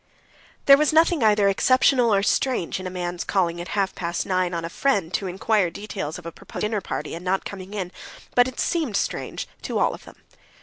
There was nothing either exceptional or strange in a man's calling at half past nine on a friend to inquire details of a proposed dinner party and not coming in, but it seemed strange to all of them.